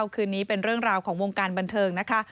คืนนี้เป็นเรื่องราวของวงการบันเทิงนะคะ